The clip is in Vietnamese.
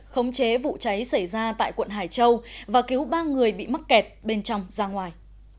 khống chế vụ cháy xảy ra tại quận hải châu và cứu ba người bị mắc kẹt bên trong ra ngoài